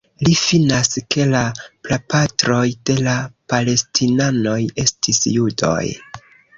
Li finas ke la prapatroj de la Palestinanoj estis judoj.